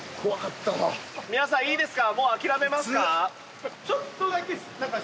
皆さんいいですか？